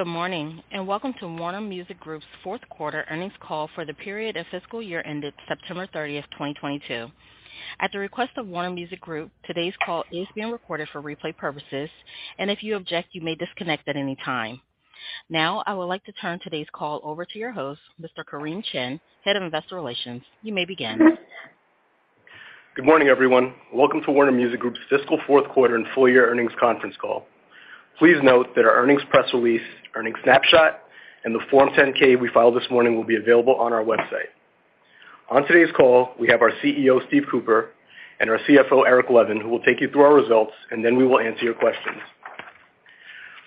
Good morning, and welcome to Warner Music Group's fourth quarter earnings call for the period of fiscal year ended September 30th, 2022. At the request of Warner Music Group, today's call is being recorded for replay purposes, and if you object, you may disconnect at any time. Now, I would like to turn today's call over to your host, Mr. Kareem Chin, Head of Investor Relations. You may begin. Good morning, everyone. Welcome to Warner Music Group's fiscal fourth quarter and full-year earnings conference call. Please note that our earnings press release, earnings snapshot, and the Form 10-K we filed this morning will be available on our website. On today's call, we have our CEO, Steve Cooper, and our CFO, Eric Levin, who will take you through our results, and then we will answer your questions.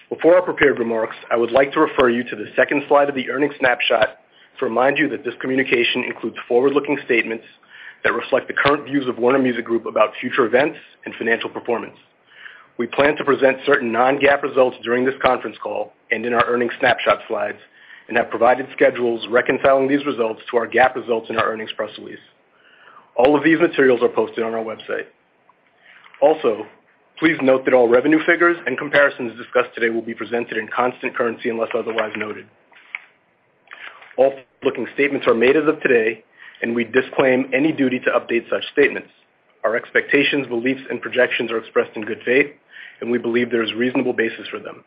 Before our prepared remarks, I would like to refer you to the second slide of the earnings snapshot to remind you that this communication includes forward-looking statements that reflect the current views of Warner Music Group about future events and financial performance. We plan to present certain non-GAAP results during this conference call and in our earnings snapshot slides, and have provided schedules reconciling these results to our GAAP results in our earnings press release. All of these materials are posted on our website. Also, please note that all revenue figures and comparisons discussed today will be presented in constant currency, unless otherwise noted. All forward-looking statements are made as of today, and we disclaim any duty to update such statements. Our expectations, beliefs, and projections are expressed in good faith, and we believe there is reasonable basis for them.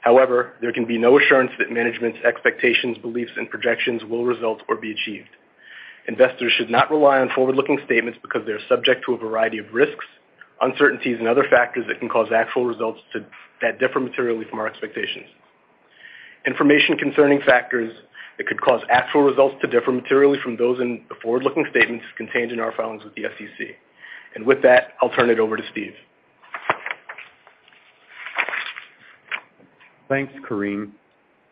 However, there can be no assurance that management's expectations, beliefs, and projections will result or be achieved. Investors should not rely on forward-looking statements because they are subject to a variety of risks, uncertainties, and other factors that can cause actual results to differ materially from our expectations. Information concerning factors that could cause actual results to differ materially from those in the forward-looking statements is contained in our filings with the SEC. With that, I'll turn it over to Steve. Thanks, Kareem.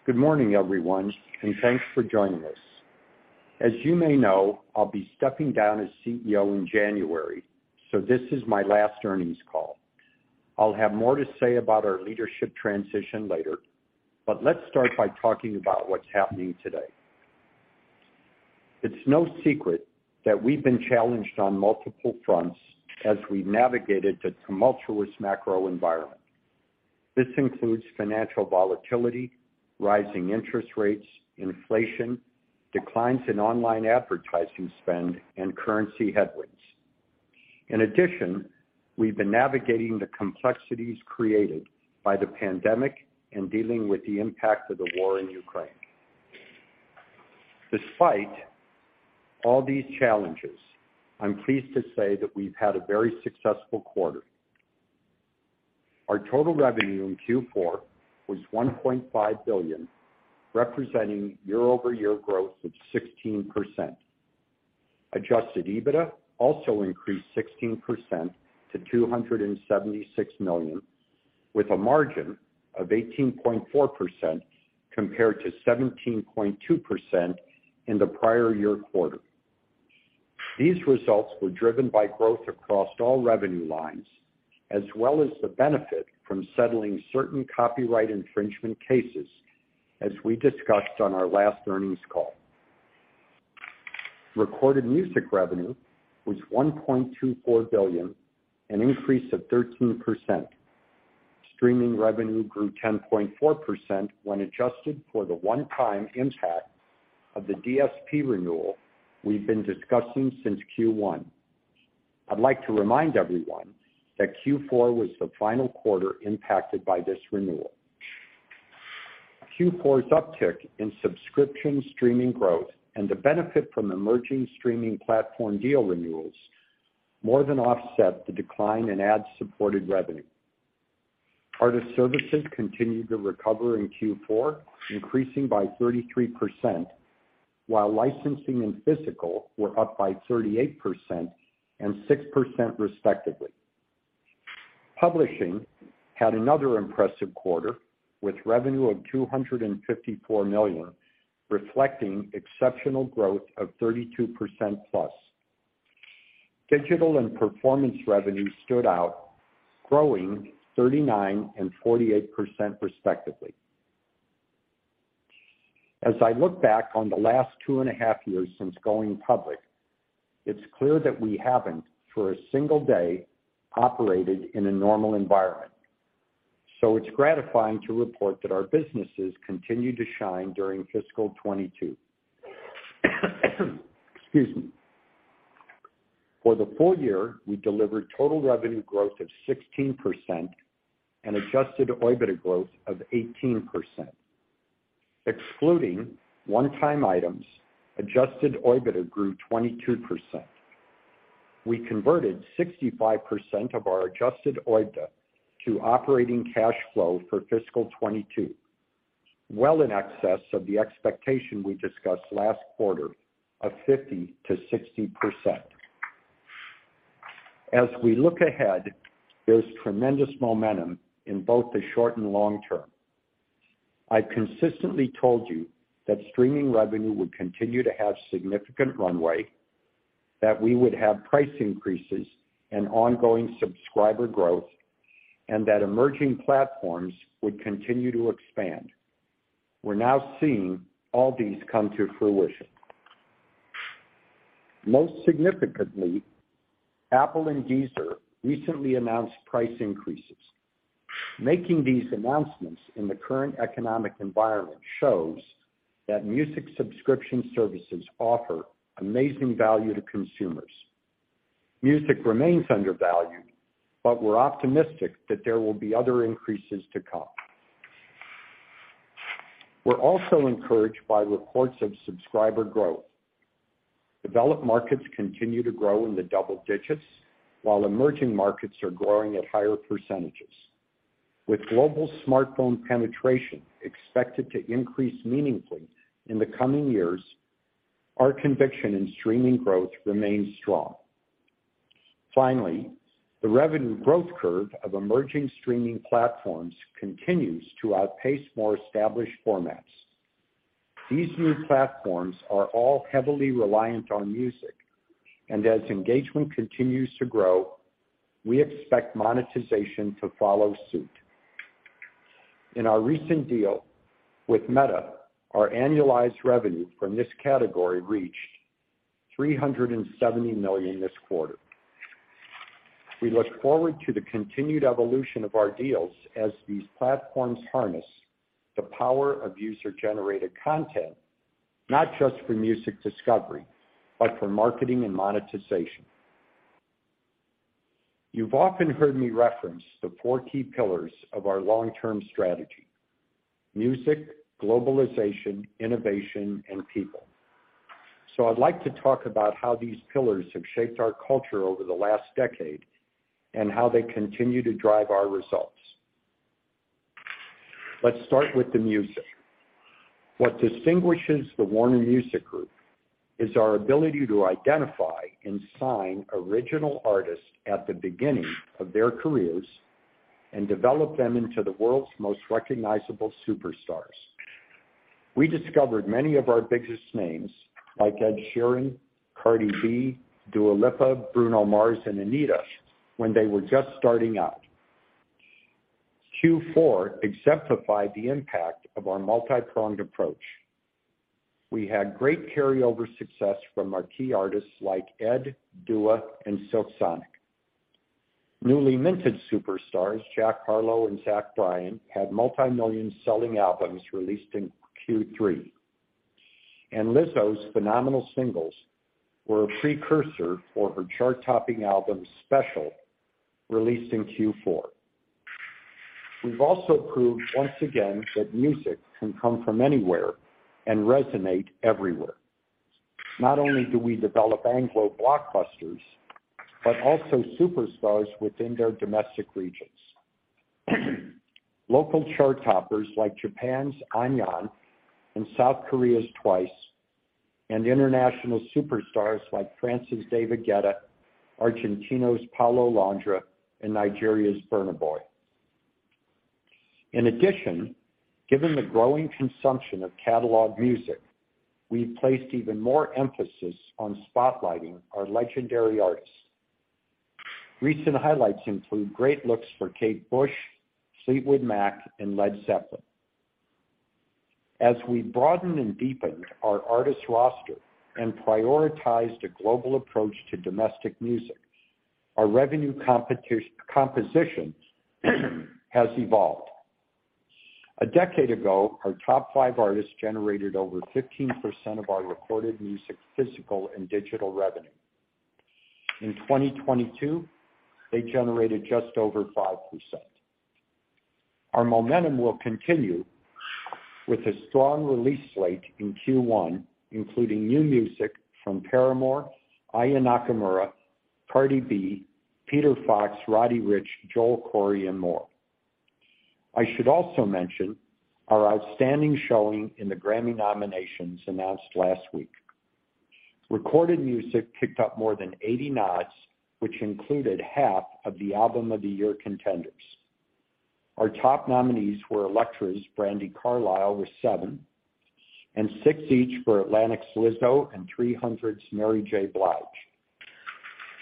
Good morning, everyone. Thanks for joining us. As you may know, I'll be stepping down as CEO in January, this is my last earnings call. I'll have more to say about our leadership transition later, but let's start by talking about what's happening today. It's no secret that we've been challenged on multiple fronts as we navigated the tumultuous macro environment. This includes financial volatility, rising interest rates, inflation, declines in online advertising spend, and currency headwinds. In addition, we've been navigating the complexities created by the pandemic and dealing with the impact of the war in Ukraine. Despite all these challenges, I'm pleased to say that we've had a very successful quarter. Our total revenue in Q4 was $1.5 billion, representing year-over-year growth of 16%. Adjusted EBITDA also increased 16% to $276 million, with a margin of 18.4% compared to 17.2% in the prior year quarter. These results were driven by growth across all revenue lines, as well as the benefit from settling certain copyright infringement cases, as we discussed on our last earnings call. Recorded music revenue was $1.24 billion, an increase of 13%. Streaming revenue grew 10.4% when adjusted for the one-time impact of the DSP renewal we've been discussing since Q1. I'd like to remind everyone that Q4 was the final quarter impacted by this renewal. Q4's uptick in subscription streaming growth and the benefit from emerging streaming platform deal renewals more than offset the decline in ad-supported revenue. Artist services continued to recover in Q4, increasing by 33%, while licensing and physical were up by 38% and 6%, respectively. Publishing had another impressive quarter, with revenue of $254 million, reflecting exceptional growth of 32%+. Digital and performance revenue stood out, growing 39% and 48% respectively. As I look back on the last 2.5 years since going public, it's clear that we haven't, for a single day, operated in a normal environment. It's gratifying to report that our businesses continued to shine during fiscal 2022. Excuse me. For the full year, we delivered total revenue growth of 16% and adjusted OIBDA growth of 18%. Excluding one-time items, adjusted OIBDA grew 22%. We converted 65% of our adjusted OIBDA to operating cash flow for fiscal 2022, well in excess of the expectation we discussed last quarter of 50%-60%. As we look ahead, there's tremendous momentum in both the short and long term. I've consistently told you that streaming revenue would continue to have significant runway, that we would have price increases and ongoing subscriber growth, and that emerging platforms would continue to expand. We're now seeing all these come to fruition. Most significantly, Apple and Deezer recently announced price increases. Making these announcements in the current economic environment shows that music subscription services offer amazing value to consumers. Music remains undervalued, but we're optimistic that there will be other increases to come. We're also encouraged by reports of subscriber growth. Developed markets continue to grow in the double digits, while emerging markets are growing at higher percentages. With global smartphone penetration expected to increase meaningfully in the coming years, our conviction in streaming growth remains strong. The revenue growth curve of emerging streaming platforms continues to outpace more established formats. These new platforms are all heavily reliant on music, and as engagement continues to grow, we expect monetization to follow suit. In our recent deal with Meta, our annualized revenue from this category reached $370 million this quarter. We look forward to the continued evolution of our deals as these platforms harness the power of user-generated content, not just for music discovery, but for marketing and monetization. You've often heard me reference the four key pillars of our long-term strategy: music, globalization, innovation, and people. I'd like to talk about how these pillars have shaped our culture over the last decade and how they continue to drive our results. Let's start with the music. What distinguishes the Warner Music Group is our ability to identify and sign original artists at the beginning of their careers and develop them into the world's most recognizable superstars. We discovered many of our biggest names, like Ed Sheeran, Cardi B, Dua Lipa, Bruno Mars, and Anitta, when they were just starting out. Q4 exemplified the impact of our multi-pronged approach. We had great carryover success from our key artists like Ed, Dua, and Silk Sonic. Newly minted superstars Jack Harlow and Zach Bryan had multi-million-selling albums released in Q3. Lizzo's phenomenal singles were a precursor for her chart-topping album, Special, released in Q4. We've also proved once again that music can come from anywhere and resonate everywhere. Not only do we develop Anglo blockbusters, but also superstars within their domestic regions. Local chart toppers like Japan's Ado and South Korea's Twice, and international superstars like France's David Guetta, Argentina's Paulo Londra, and Nigeria's Burna Boy. Given the growing consumption of catalog music, we placed even more emphasis on spotlighting our legendary artists. Recent highlights include great looks for Kate Bush, Fleetwood Mac, and Led Zeppelin. As we broadened and deepened our artist roster and prioritized a global approach to domestic music, our revenue composition has evolved. A decade ago, our top five artists generated over 15% of our recorded music, physical and digital revenue. In 2022, they generated just over 5%. Our momentum will continue with a strong release slate in Q1, including new music from Paramore, Aya Nakamura, Cardi B, Peter Fox, Roddy Ricch, Joel Corry, and more. I should also mention our outstanding showing in the Grammy nominations announced last week. Recorded music picked up more than 80 nods, which included half of the Album of the Year contenders. Our top nominees were Elektra's Brandi Carlile with seven and six each for Atlantic's Lizzo and 300 Entertainment's Mary J. Blige.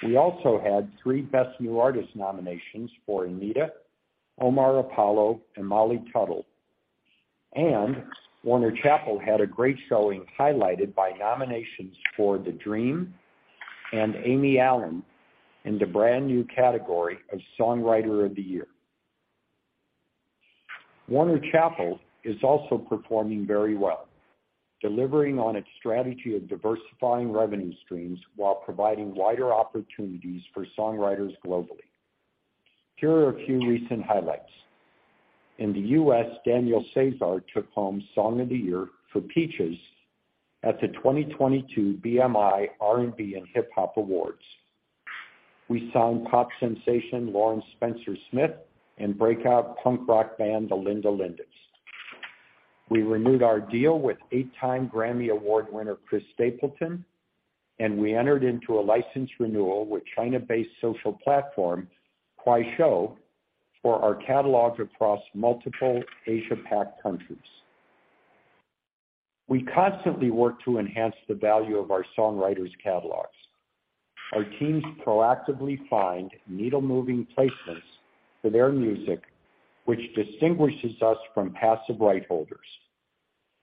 We also had three Best New Artist nominations for Anitta, Omar Apollo, and Molly Tuttle. Warner Chappell had a great showing, highlighted by nominations for The-Dream and Amy Allen in the brand-new category of Songwriter of the Year. Warner Chappell is also performing very well, delivering on its strategy of diversifying revenue streams while providing wider opportunities for songwriters globally. Here are a few recent highlights. In the U.S., Daniel Caesar took home Song of the Year for Peaches at the 2022 BMI R&B and Hip-Hop Awards. We signed pop sensation Lauren Spencer Smith and breakout punk rock band The Linda Lindas. We renewed our deal with eight-time Grammy Award winner Chris Stapleton, and we entered into a license renewal with China-based social platform Kuaishou for our catalog across multiple Asia-Pac countries. We constantly work to enhance the value of our songwriters' catalogs. Our teams proactively find needle-moving placements for their music, which distinguishes us from passive right holders.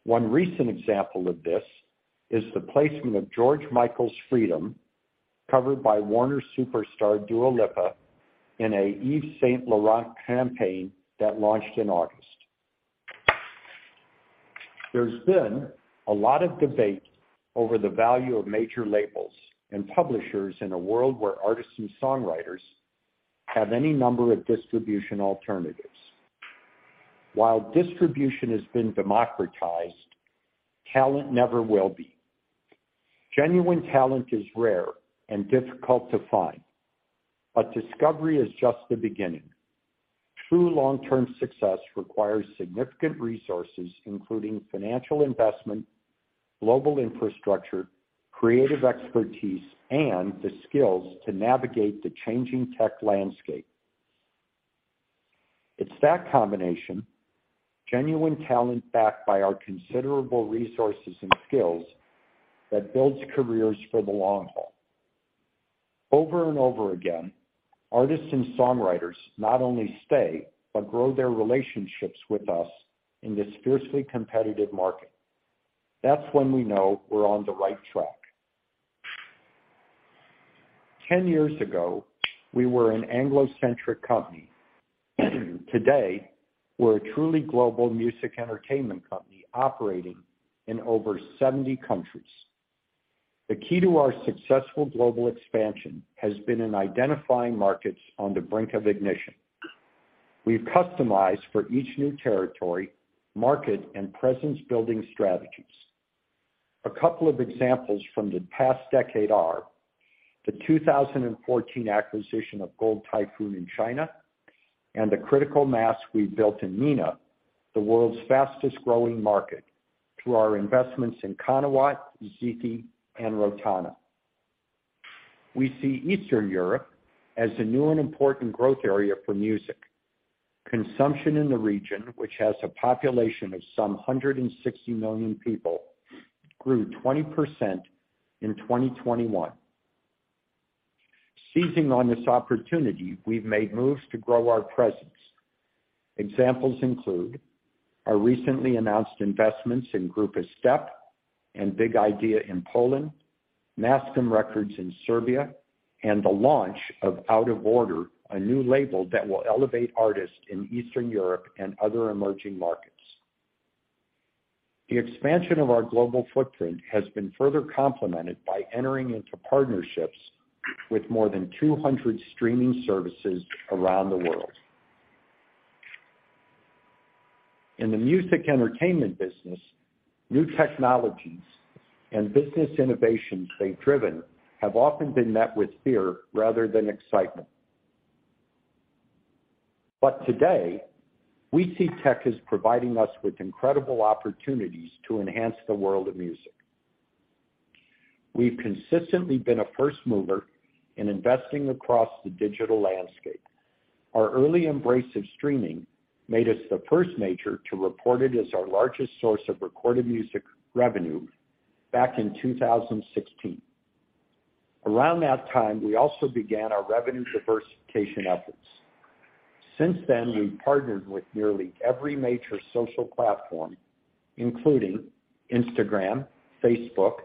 One recent example of this is the placement of George Michael's Freedom, covered by Warner superstar Dua Lipa in a Yves Saint Laurent campaign that launched in August. There's been a lot of debate over the value of major labels and publishers in a world where artists and songwriters have any number of distribution alternatives. While distribution has been democratized, talent never will be. Genuine talent is rare and difficult to find, but discovery is just the beginning. True long-term success requires significant resources, including financial investment, global infrastructure, creative expertise, and the skills to navigate the changing tech landscape. It's that combination, genuine talent backed by our considerable resources and skills, that builds careers for the long haul. Over and over again, artists and songwriters not only stay, but grow their relationships with us in this fiercely competitive market. That's when we know we're on the right track. 10 years ago, we were an Anglo-centric company. Today, we're a truly global music entertainment company operating in over 70 countries. The key to our successful global expansion has been in identifying markets on the brink of ignition. We've customized for each new territory, market, and presence-building strategies. A couple of examples from the past decade are the 2014 acquisition of Gold Typhoon in China and the critical mass we've built in MENA, the world's fastest-growing market, through our investments in Qanawat Music, Ezzedine, and Rotana. We see Eastern Europe as a new and important growth area for music. Consumption in the region, which has a population of some 160 million people, grew 20% in 2021. Seizing on this opportunity, we've made moves to grow our presence. Examples include our recently announced investments in Grupa STEP and BIG Idea in Poland, Mascom Records in Serbia, and the launch of Out of Order, a new label that will elevate artists in Eastern Europe and other emerging markets. The expansion of our global footprint has been further complemented by entering into partnerships with more than 200 streaming services around the world. In the music entertainment business, new technologies and business innovations they've driven have often been met with fear rather than excitement. Today, we see tech as providing us with incredible opportunities to enhance the world of music. We've consistently been a first mover in investing across the digital landscape. Our early embrace of streaming made us the first major to report it as our largest source of recorded music revenue back in 2016. Around that time, we also began our revenue diversification efforts. Since then, we've partnered with nearly every major social platform, including Instagram, Facebook,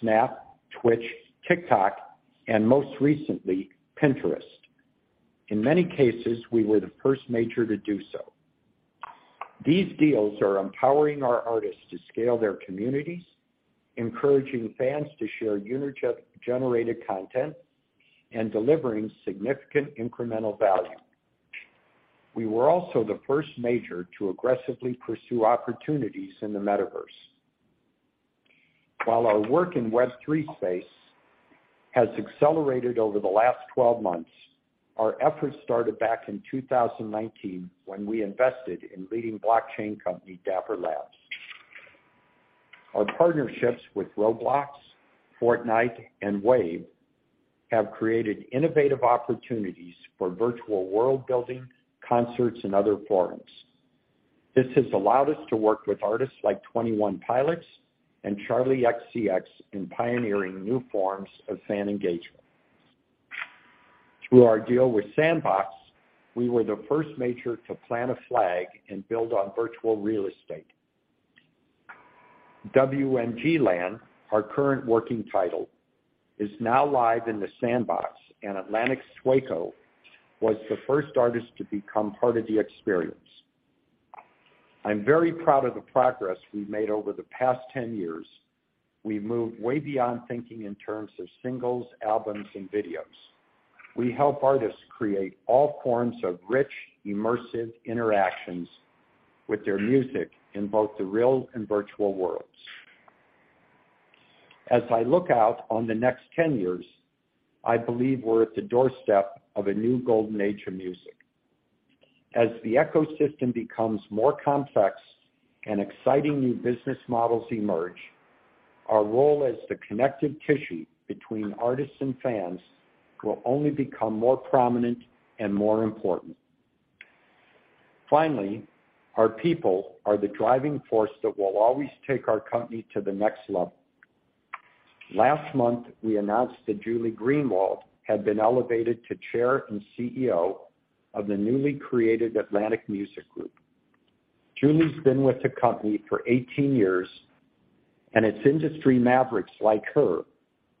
Snap, Twitch, TikTok, and most recently, Pinterest. In many cases, we were the first major to do so. These deals are empowering our artists to scale their communities, encouraging fans to share user-generated content, and delivering significant incremental value. We were also the first major to aggressively pursue opportunities in the metaverse. While our work in Web3 has accelerated over the last twelve months, our efforts started back in 2019 when we invested in leading blockchain company, Dapper Labs. Our partnerships with Roblox, Fortnite, and Wave have created innovative opportunities for virtual world-building, concerts, and other forums. This has allowed us to work with artists like Twenty One Pilots and Charli XCX in pioneering new forms of fan engagement. Through our deal with The Sandbox, we were the first major to plant a flag and build on virtual real estate. WMG LAND, our current working title, is now live in The Sandbox, and Atlantic's Saweetie was the first artist to become part of the experience. I'm very proud of the progress we've made over the past 10 years. We've moved way beyond thinking in terms of singles, albums, and videos. We help artists create all forms of rich, immersive interactions with their music in both the real and virtual worlds. As I look out on the next 10 years, I believe we're at the doorstep of a new golden age of music. As the ecosystem becomes more complex and exciting new business models emerge, our role as the connective tissue between artists and fans will only become more prominent and more important. Finally, our people are the driving force that will always take our company to the next level. Last month, we announced that Julie Greenwald had been elevated to Chair and CEO of the newly created Atlantic Music Group. Julie's been with the company for 18 years, and it's industry mavericks like her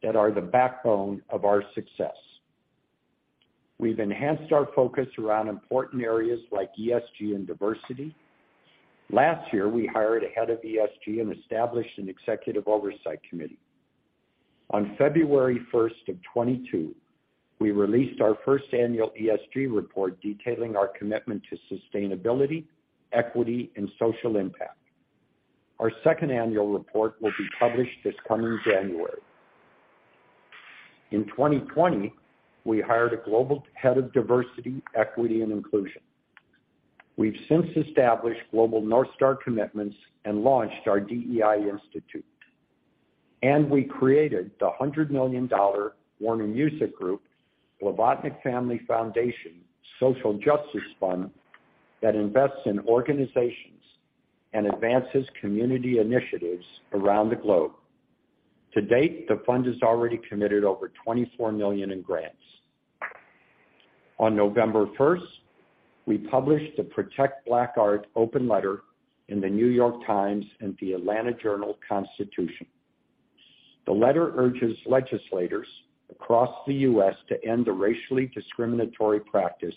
that are the backbone of our success. We've enhanced our focus around important areas like ESG and diversity. Last year, we hired a head of ESG and established an executive oversight committee. On February 1st of 2022, we released our 1st annual ESG report detailing our commitment to sustainability, equity, and social impact. Our 2nd annual report will be published this coming January. In 2020, we hired a global head of diversity, equity, and inclusion. We've since established global North Star commitments and launched our Global DEI Institute. We created the $100 million Warner Music Group / Blavatnik Family Foundation Social Justice Fund that invests in organizations and advances community initiatives around the globe. To date, the fund has already committed over $24 million in grants. On November 1st, we published the Protect Black Art open letter in The New York Times and The Atlanta Journal-Constitution. The letter urges legislators across the U.S. to end the racially discriminatory practice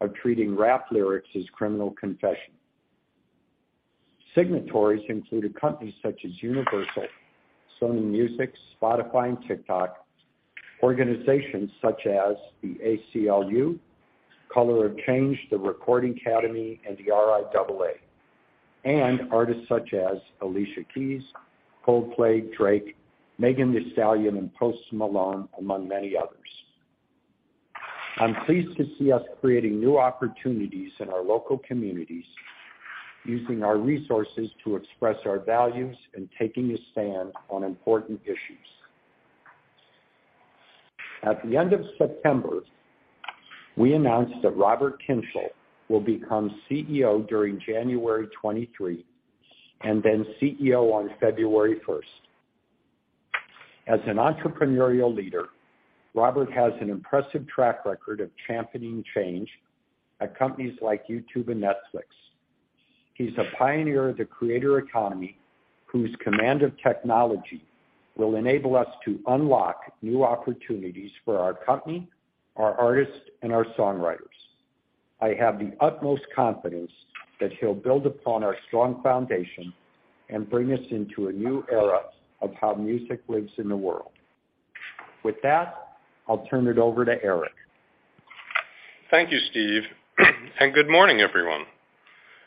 of treating rap lyrics as criminal confession. Signatories included companies such as Universal, Sony Music, Spotify, and TikTok. Organizations such as the ACLU, Color of Change, The Recording Academy, and the RIAA, and artists such as Alicia Keys, Coldplay, Drake, Megan Thee Stallion, and Post Malone, among many others. I'm pleased to see us creating new opportunities in our local communities, using our resources to express our values and taking a stand on important issues. At the end of September, we announced that Robert Kyncl will become CEO during January 2023, and then CEO on February first. As an entrepreneurial leader, Robert has an impressive track record of championing change at companies like YouTube and Netflix. He's a pioneer of the creator economy, whose command of technology will enable us to unlock new opportunities for our company, our artists, and our songwriters. I have the utmost confidence that he'll build upon our strong foundation and bring us into a new era of how music lives in the world. With that, I'll turn it over to Eric. Thank you, Steve. Good morning, everyone.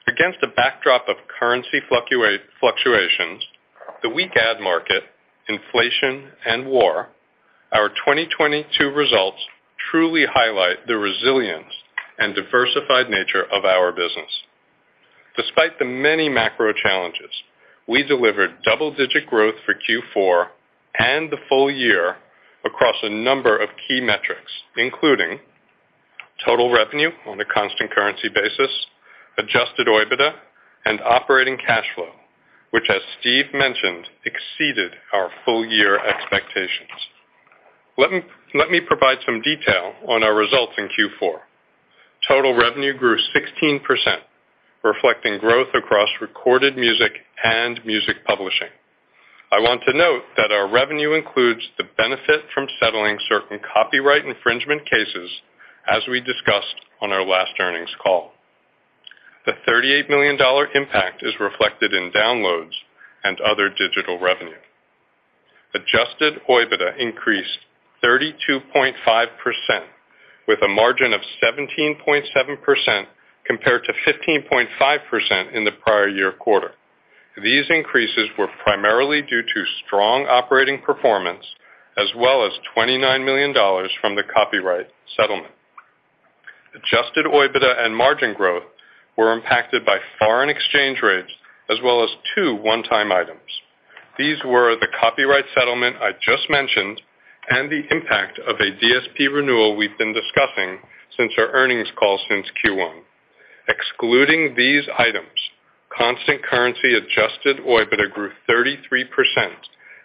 Against the backdrop of currency fluctuations, the weak ad market, inflation, and war, our 2022 results truly highlight the resilience and diversified nature of our business. Despite the many macro challenges, we delivered double-digit growth for Q4 and the full year across a number of key metrics, including total revenue on a constant currency basis, adjusted OIBDA, and operating cash flow, which, as Steve mentioned, exceeded our full-year expectations. Let me provide some details on our results in Q4. Total revenue grew 16%, reflecting growth across recorded music and music publishing. I want to note that our revenue includes the benefit from settling certain copyright infringement cases, as we discussed on our last earnings call. The $38 million impact is reflected in downloads and other digital revenue. Adjusted OIBDA increased 32.5% with a margin of 17.7% compared to 15.5% in the prior year quarter. These increases were primarily due to strong operating performance, as well as $29 million from the copyright settlement. Adjusted OIBDA and margin growth were impacted by foreign exchange rates as well as two one-time items. These were the copyright settlement I just mentioned and the impact of a DSP renewal we've been discussing since our earnings call since Q1. Excluding these items, constant currency adjusted OIBDA grew 33%,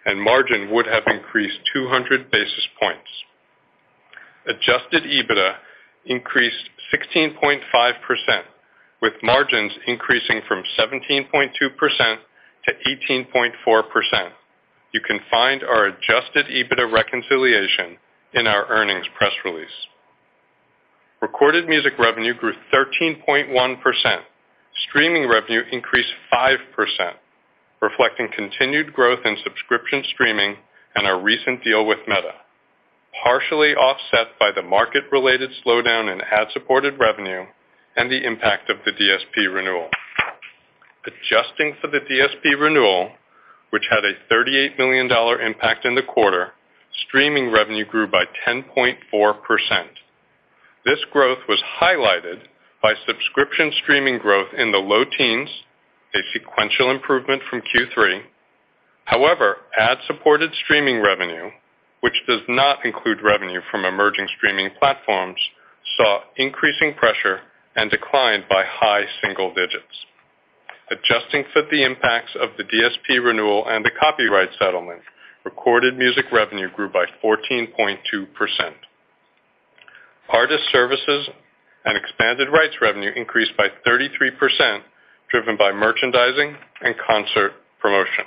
and margin would have increased 200 basis points. Adjusted EBITDA increased 16.5%, with margins increasing from 17.2% to 18.4%. You can find our adjusted EBITDA reconciliation in our earnings press release. Recorded music revenue grew 13.1%. Streaming revenue increased 5%, reflecting continued growth in subscription streaming and our recent deal with Meta, partially offset by the market-related slowdown in ad-supported revenue and the impact of the DSP renewal. Adjusting for the DSP renewal, which had a $38 million impact in the quarter, streaming revenue grew by 10.4%. This growth was highlighted by subscription streaming growth in the low teens, a sequential improvement from Q3. However, ad-supported streaming revenue, which does not include revenue from emerging streaming platforms, saw increasing pressure and declined by high single digits. Adjusting for the impacts of the DSP renewal and the copyright settlement, recorded music revenue grew by 14.2%. Artist services and expanded rights revenue increased by 33%, driven by merchandising and concert promotion.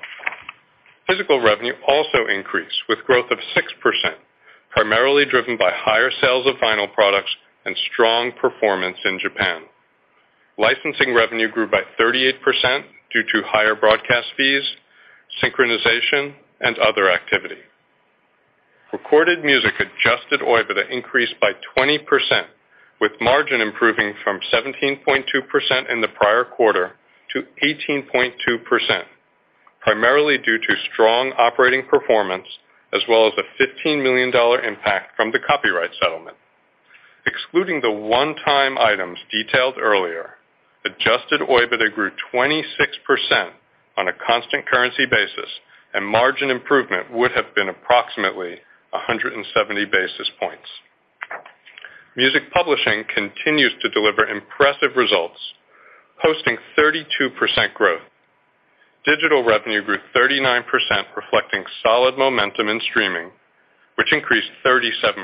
Physical revenue also increased with growth of 6%, primarily driven by higher sales of vinyl products and strong performance in Japan. Licensing revenue grew by 38% due to higher broadcast fees, synchronization, and other activities. Recorded music adjusted OIBDA increased by 20%, with margin improving from 17.2% in the prior quarter to 18.2%, primarily due to strong operating performance as well as a $15 million impact from the copyright settlement. Excluding the one-time items detailed earlier, adjusted OIBDA grew 26% on a constant currency basis, and margin improvement would have been approximately 170 basis points. Music publishing continues to deliver impressive results, posting 32% growth. Digital revenue grew 39%, reflecting solid momentum in streaming, which increased 37%.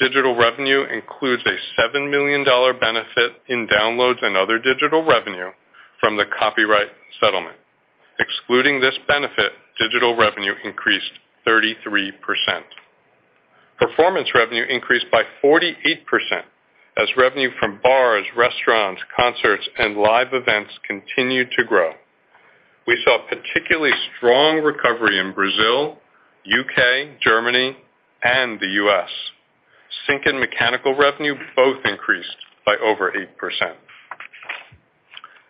Digital revenue includes a $7 million benefit in downloads and other digital revenue from the copyright settlement. Excluding this benefit, digital revenue increased 33%. Performance revenue increased by 48% as revenue from bars, restaurants, concerts, and live events continued to grow. We saw particularly strong recovery in Brazil, U.K., Germany, and the U.S. Sync and mechanical revenue both increased by over 8%.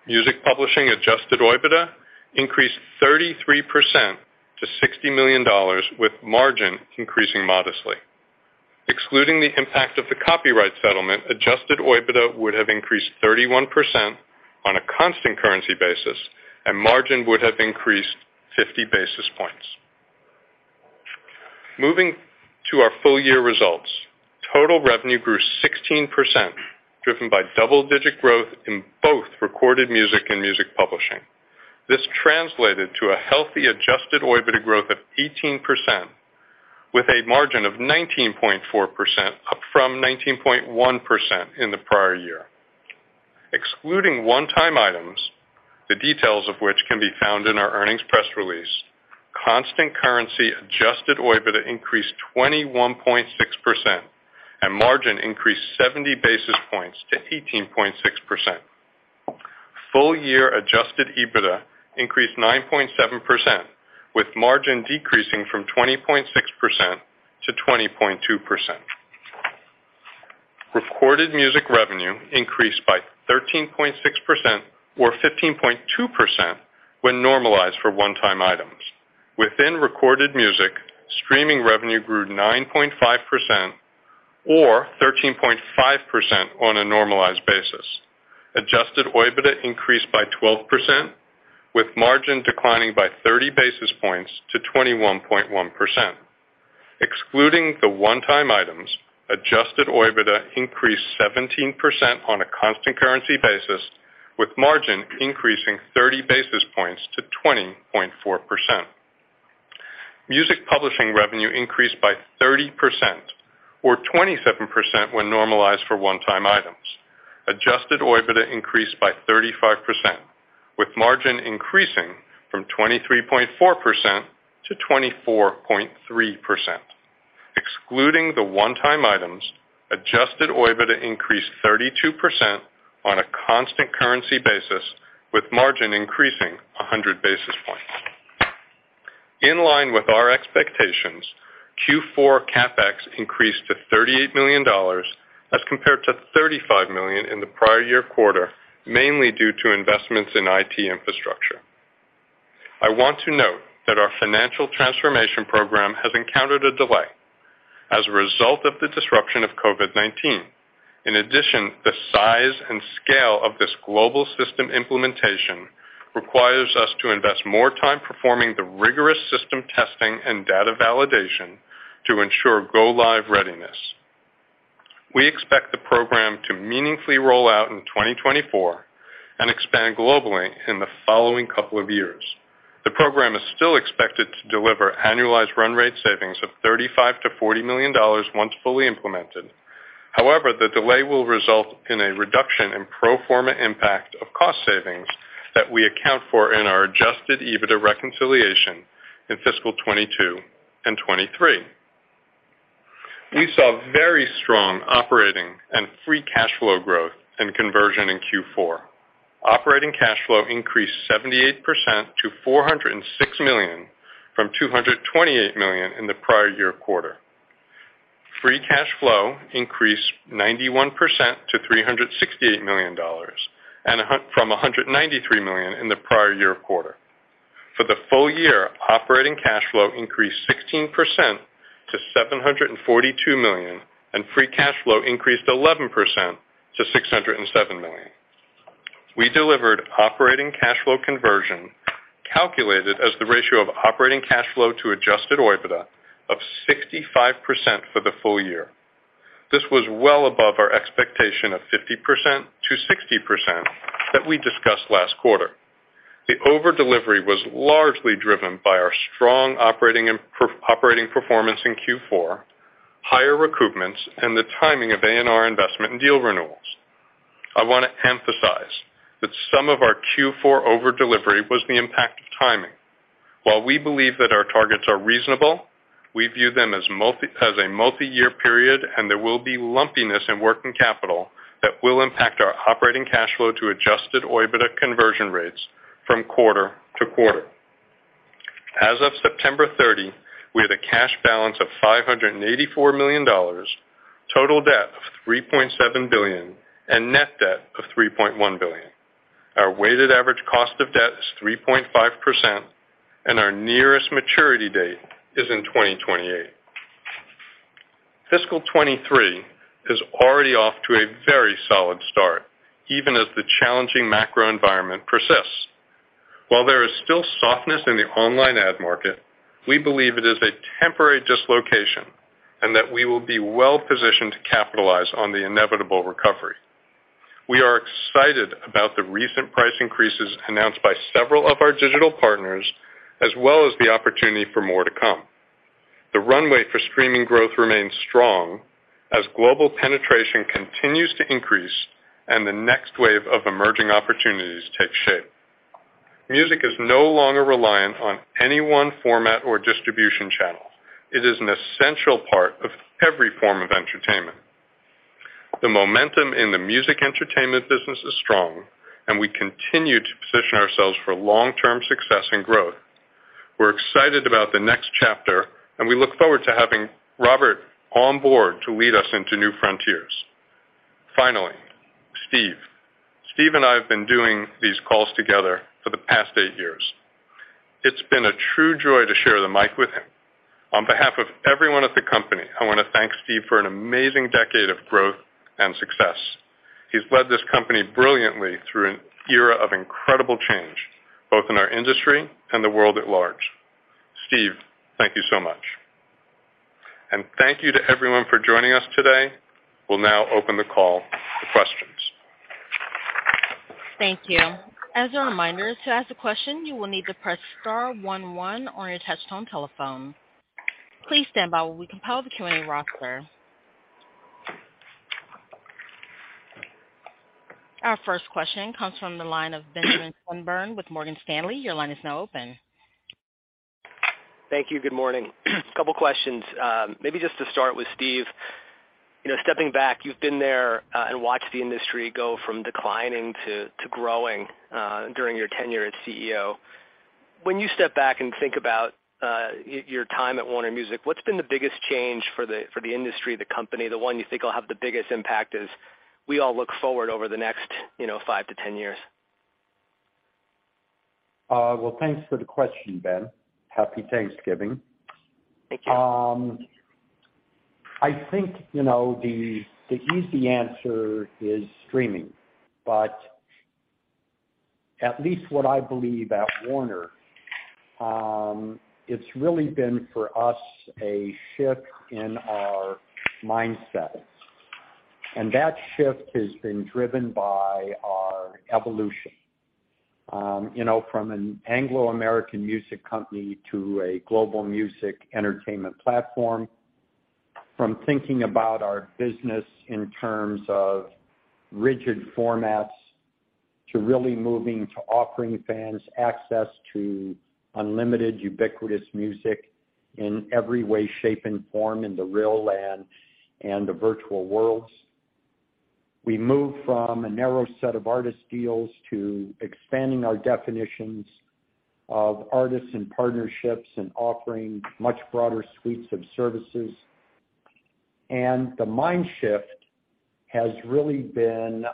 Music publishing adjusted OIBDA increased 33% to $60 million, with margin increasing modestly. Excluding the impact of the copyright settlement, adjusted OIBDA would have increased 31% on a constant currency basis, and margin would have increased 50 basis points. Moving to our full-year results, total revenue grew 16%, driven by double-digit growth in both recorded music and music publishing. This translated to a healthy adjusted OIBDA growth of 18%, with a margin of 19.4%, up from 19.1% in the prior year. Excluding one-time items, the details of which can be found in our earnings press release, constant currency adjusted OIBDA increased 21.6%, and margin increased 70 basis points to 18.6%. Full-year adjusted EBITDA increased 9.7%, with margin decreasing from 20.6% to 20.2%. Recorded music revenue increased by 13.6% or 15.2% when normalized for one-time items. Within recorded music, streaming revenue grew 9.5% or 13.5% on a normalized basis. Adjusted OIBDA increased by 12%, with margin declining by 30 basis points to 21.1%. Excluding the one-time items, adjusted OIBDA increased 17% on a constant currency basis, with margin increasing 30 basis points to 20.4%. Music publishing revenue increased by 30% or 27% when normalized for one-time items. Adjusted OIBDA increased by 35%, with margin increasing from 23.4% to 24.3%. Excluding the one-time items, adjusted OIBDA increased 32% on a constant currency basis, with margin increasing 100 basis points. In line with our expectations, Q4 CapEx increased to $38 million as compared to $35 million in the prior year quarter, mainly due to investments in IT infrastructure. I want to note that our financial transformation program has encountered a delay as a result of the disruption of COVID-19. In addition, the size and scale of this global system implementation require us to invest more time performing the rigorous system testing and data validation to ensure go-live readiness. We expect the program to meaningfully roll out in 2024 and expand globally in the following couple of years. The program is still expected to deliver annualized run rate savings of $35 million-$40 million once fully implemented. However, the delay will result in a reduction in pro forma impact of cost savings that we account for in our adjusted EBITDA reconciliation in fiscal 2022 and 23. We saw very strong operating and free cash flow growth and conversion in Q4. Operating cash flow increased 78% to $406 million from $228 million in the prior year quarter. Free cash flow increased 91% to $368 million from $193 million in the prior year quarter. For the full year, operating cash flow increased 16% to $742 million, and free cash flow increased 11% to $607 million. We delivered operating cash flow conversion, calculated as the ratio of operating cash flow to adjusted OIBDA of 65% for the full year. This was well above our expectation of 50%-60% that we discussed last quarter. The over-delivery was largely driven by our strong operating performance in Q4, higher recoupments, and the timing of A&R investment and deal renewals. I wanna emphasize that some of our Q4 over-delivery was the impact of timing. While we believe that our targets are reasonable, we view them as a multi-year period, and there will be lumpiness in working capital that will impact our operating cash flow to adjusted OIBDA conversion rates from quarter to quarter. As of September 30, we had a cash balance of $584 million, total debt of $3.7 billion, and net debt of $3.1 billion. Our weighted average cost of debt is 3.5%, and our nearest maturity date is in 2028. Fiscal 2023 is already off to a very solid start, even as the challenging macro environment persists. While there is still softness in the online ad market, we believe it is a temporary dislocation and that we will be well-positioned to capitalize on the inevitable recovery. We are excited about the recent price increases announced by several of our digital partners, as well as the opportunity for more to come. The runway for streaming growth remains strong as global penetration continues to increase and the next wave of emerging opportunities takes shape. Music is no longer reliant on any one format or distribution channel. It is an essential part of every form of entertainment. The momentum in the music entertainment business is strong, and we continue to position ourselves for long-term success and growth. We're excited about the next chapter, and we look forward to having Robert on board to lead us into new frontiers. Finally, Steve. Steve and I have been doing these calls together for the past eight years. It's been a true joy to share the mic with him. On behalf of everyone at the company, I wanna thank Steve for an amazing decade of growth and success. He's led this company brilliantly through an era of incredible change, both in our industry and the world at large. Steve, thank you so much. Thank you to everyone for joining us today. We'll now open the call to questions. Thank you. As a reminder, to ask a question, you will need to press star one one on your touch-tone telephone. Please stand by while we compile the Q&A roster. Our first question comes from the line of Benjamin Swinburne with Morgan Stanley. Your line is now open. Thank you. Good morning. Couple of questions. Maybe just to start with Steve. You know, stepping back, you've been there and watched the industry go from declining to growing during your tenure as CEO. When you step back and think about your time at Warner Music, what's been the biggest change for the industry, the company, the one you think'll have the biggest impact as we all look forward over the next, you know, 5-10 years? Well, thanks for the question, Ben. Happy Thanksgiving. Thank you. I think, you know, the easy answer is streaming, but at least what I believe at Warner, it's really been for us a shift in our mindset. That shift has been driven by our evolution, you know, from an Anglo-American music company to a global music entertainment platform. From thinking about our business in terms of rigid formats, to really moving to offering fans access to unlimited, ubiquitous music in every way, shape, and form in the real and the virtual worlds. We moved from a narrow set of artist deals to expanding our definitions of artists and partnerships and offering much broader suites of services. The mind shift has really been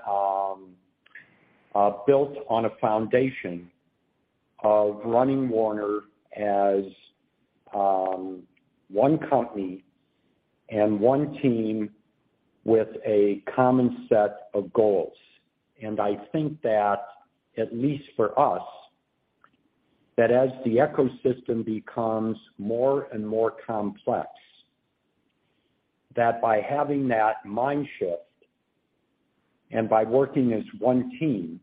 built on a foundation of running Warner as one company and one team with a common set of goals. I think that, at least for us, that as the ecosystem becomes more and more complex, that by having that mind shift and by working as one team,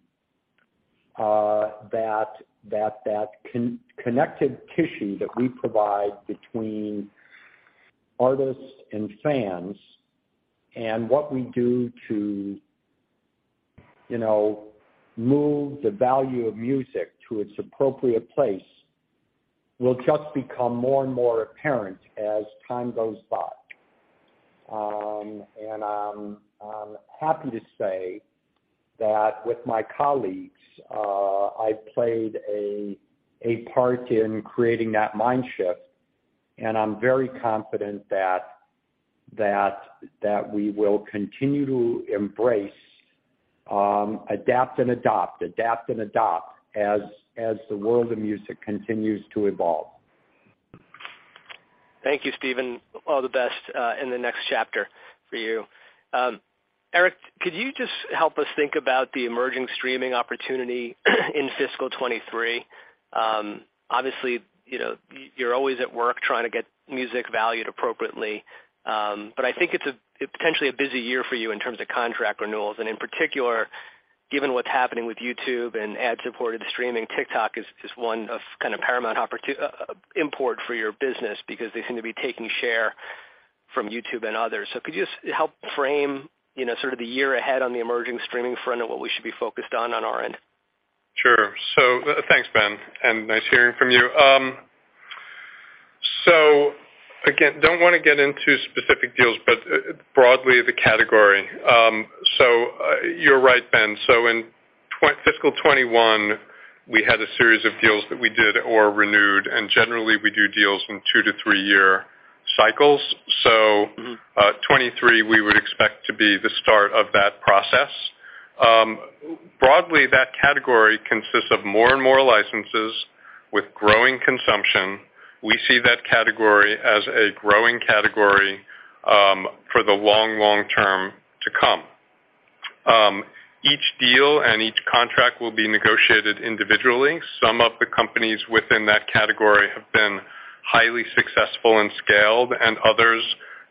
that connected tissue that we provide between artists and fans and what we do to, you know, move the value of music to its appropriate place will just become more and more apparent as time goes by. I'm happy to say that with my colleagues, I played a part in creating that mind shift, and I'm very confident that we will continue to embrace, adapt and adopt as the world of music continues to evolve. Thank you, Stephen. All the best in the next chapter for you. Eric, could you just help us think about the emerging streaming opportunity in fiscal 2023? Obviously, you know, you're always at work trying to get music valued appropriately. I think it's potentially a busy year for you in terms of contract renewals. In particular, given what's happening with YouTube and ad-supported streaming, TikTok is one of kind of paramount importance for your business because they seem to be taking share from YouTube and others. Could you just help frame, you know, sort of the year ahead on the emerging streaming front and what we should be focused on on our end? Sure. Thanks, Ben, and nice hearing from you. Again, don't want to get into specific deals, but broadly the category. You're right, Ben. In fiscal 2021, we had a series of deals that we did or renewed, and generally we do deals in 2-3 year cycles. 2023 we would expect to be the start of that process. Broadly, that category consists of more and more licenses with growing consumption. We see that category as a growing category for the long, long term to come. Each deal and each contract will be negotiated individually. Some of the companies within that category have been highly successful and scaled, and others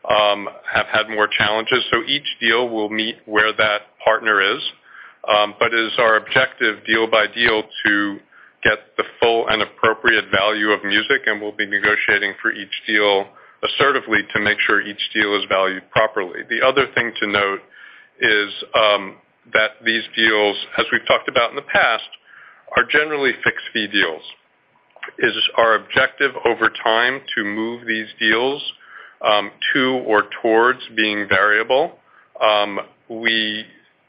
have had more challenges. Each deal will meet where that partner is. It is our objective deal by deal to get the full and appropriate value of music, and we'll be negotiating for each deal assertively to make sure each deal is valued properly. The other thing to note is that these deals, as we've talked about in the past, are generally fixed fee deals. It is our objective over time to move these deals to or towards being variable.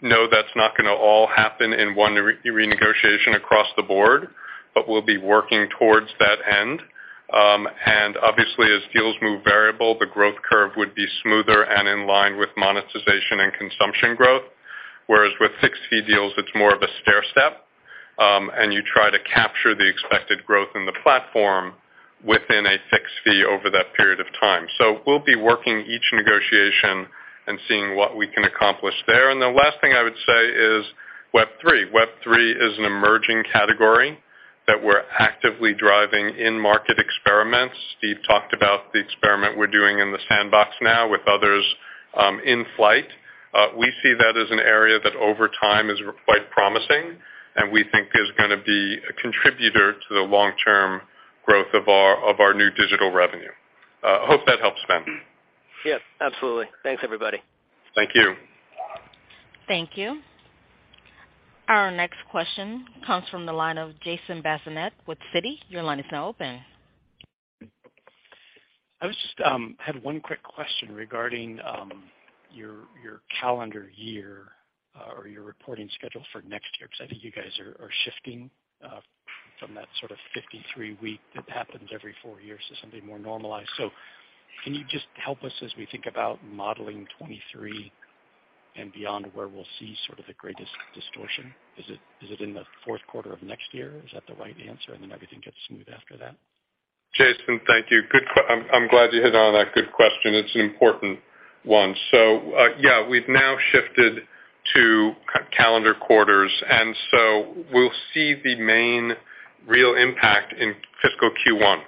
We know that's not going to all happen in one renegotiation across the board, we'll be working towards that end. Obviously as deals move variable, the growth curve would be smoother and in line with monetization and consumption growth. With fixed fee deals, it's more of a stairstep, you try to capture the expected growth in the platform within a fixed fee over that period of time. We'll be working each negotiation and seeing what we can accomplish there. The last thing I would say is Web3. Web3 is an emerging category that we're actively driving in-market experiments. Steve talked about the experiment we're doing in The Sandbox now with others in flight. We see that as an area that over time is quite promising and we think is going to be a contributor to the long-term growth of our new digital revenue. Hope that helps, Ben. Yes, absolutely. Thanks, everybody. Thank you. Thank you. Our next question comes from the line of Jason Bazinet with Citi. Your line is now open. I was just had one quick question regarding your calendar year or your reporting schedule for next year, because I think you guys are shifting from that sort of 53-week that happens every four years to something more normalized. Can you just help us as we think about modeling 2023 and beyond where we'll see sort of the greatest distortion? Is it in the fourth quarter of next year? Is that the right answer, and then everything gets smooth after that? Jason, thank you. I'm glad you hit on that. Good question. It's an important one. Yeah, we've now shifted to calendar quarters, we'll see the main real impact in fiscal Q1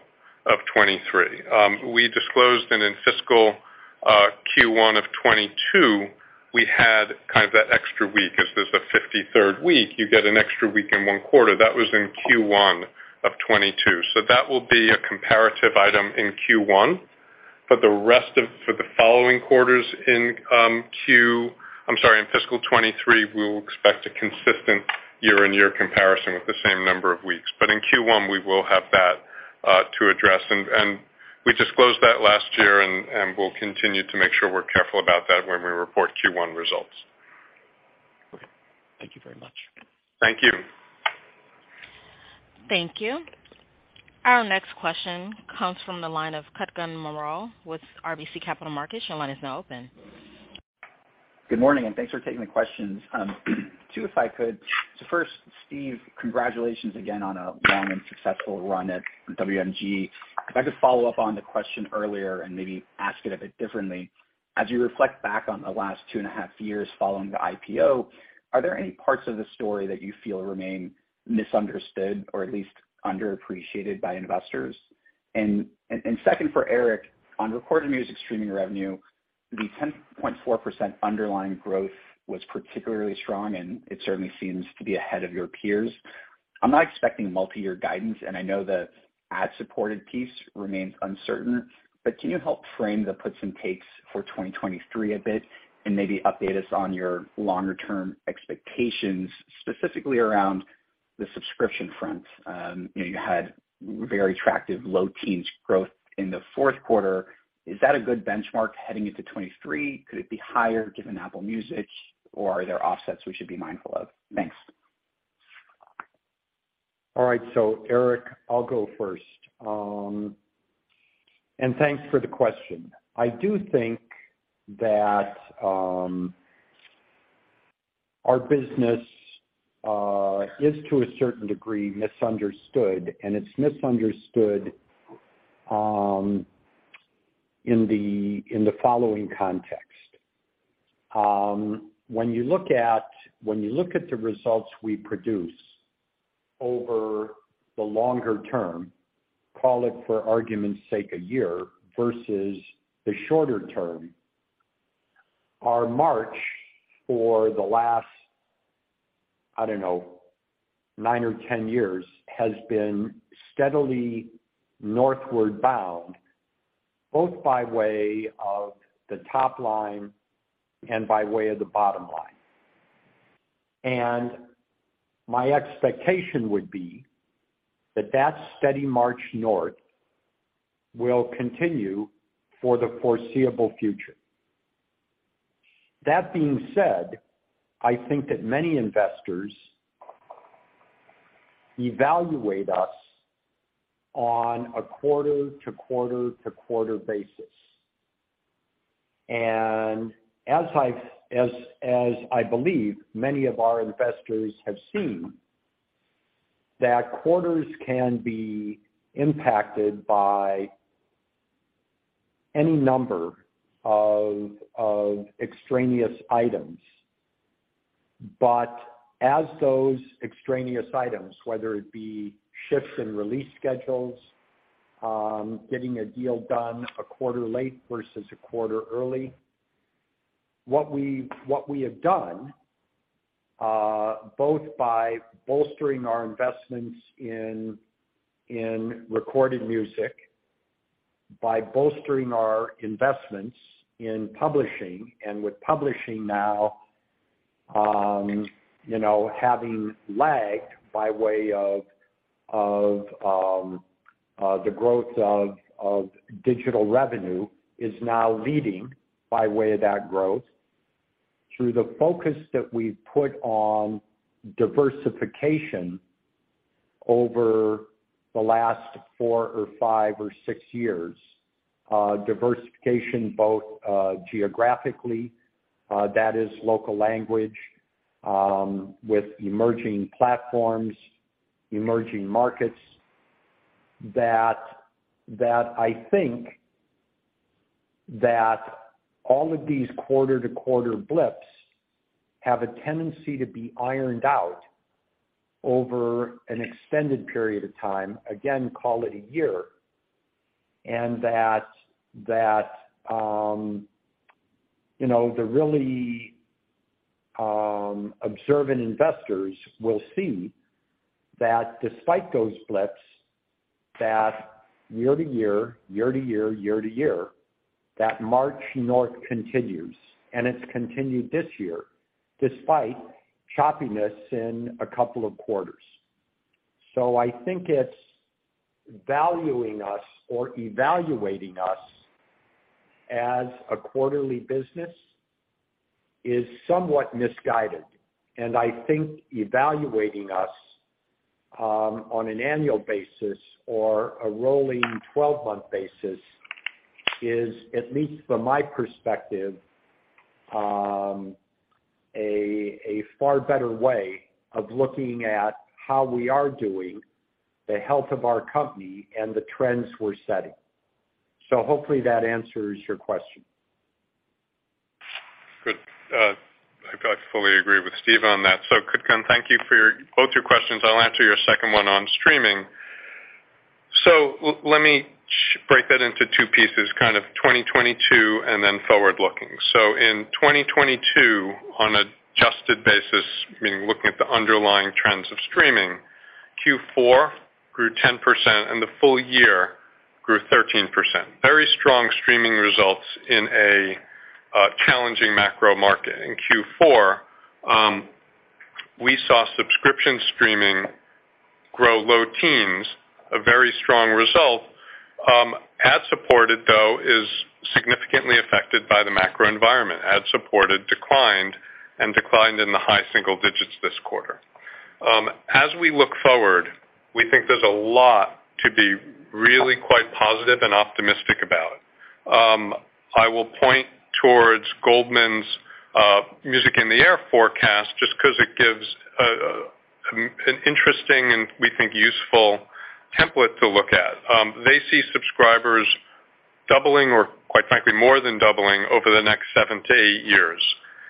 of 2023. We disclosed that in fiscal Q1 of 2022, we had kind of that extra week. As there's a 53rd week, you get an extra week in one quarter. That was in Q1 of 2022. That will be a comparative item in Q1. For the following quarters in, I'm sorry, in fiscal 2023, we will expect a consistent year-on-year comparison with the same number of weeks. In Q1, we will have that to address. We disclosed that last year, and we'll continue to make sure we're careful about that when we report Q1 results. Okay. Thank you very much. Thank you. Thank you. Our next question comes from the line of Kutgun Maral with RBC Capital Markets. Your line is now open. Good morning, and thanks for taking the questions. Two, if I could. So first, Steve, congratulations again on a long and successful run at WMG. If I could follow up on the question earlier, and maybe ask it a bit differently. As you reflect back on the last 2.5 years following the IPO, are there any parts of the story that you feel remain misunderstood or at least underappreciated by investors? Second, for Eric, on recorded music streaming revenue, the 10.4% underlying growth was particularly strong, and it certainly seems to be ahead of your peers. I'm not expecting multi-year guidance, and I know the ad-supported piece remains uncertain, but can you help frame the puts and takes for 2023 a bit and maybe update us on your longer-term expectations, specifically around the subscription front? You know, you had very attractive low teens growth in the fourth quarter. Is that a good benchmark heading into 2023? Could it be higher given Apple Music, or are there offsets we should be mindful of? Thanks. All right. Eric, I'll go first. Thanks for the question. I do think that our business is, to a certain degree misunderstood, and it's misunderstood in the following context. When you look at, when you look at the results we produce over the longer term, call it for argument's sake a year versus the shorter term, our march for the last, I don't know, 9 or 10 years has been steadily northward bound, both by way of the top line and by way of the bottom line. My expectation would be that steady march north will continue for the foreseeable future. That being said, I think that many investors evaluate us on a quarter-to-quarter-to-quarter basis. As I believe many of our investors have seen that, quarters can be impacted by any number of extraneous items. As those extraneous items, whether it be shifts in release schedules, getting a deal done a quarter late versus a quarter early, what we have done, both by bolstering our investments in recorded music, by bolstering our investments in publishing and with publishing now, you know, having lagged by way of the growth of digital revenue, is now leading by way of that growth through the focus that we've put on diversification over the last four or five or six years. Diversification, both geographically, that is, local language, with emerging platforms, emerging markets, I think that all of these quarter-to-quarter blips have a tendency to be ironed out over an extended period of time, again, call it a year. You know, the really observant investors will see that despite those blips, that year-to-year, year-to-year, year-to-year, that march north continues. It's continued this year despite choppiness in a couple of quarters. I think it's valuing us or evaluating us as a quarterly business is somewhat misguided. I think evaluating us on an annual basis or a rolling 12-month basis is, at least from my perspective, a far better way of looking at how we are doing, the health of our company, and the trends we're setting. Hopefully, that answers your question. Good. I fully agree with Steve on that. Kutgun, thank you for both your questions. I'll answer your second one on streaming. Let me break that into two pieces, kind of 2022 and then forward-looking. In 2022, on adjusted basis, meaning looking at the underlying trends of streaming, Q4 grew 10% and the full year grew 13%. Very strong streaming results in a challenging macro market. In Q4, we saw subscription streaming grow low teens, a very strong result. Ad-supported, though, is significantly affected by the macro environment. Ad-supported declined and declined in the high single digits this quarter. As we look forward, we think there's a lot to be really quite positive and optimistic about. I will point towards Goldman's Music in the Air forecast just because it gives an interesting and we think useful template to look at. They see subscribers doubling or quite frankly, more than doubling over the next 7-8 years.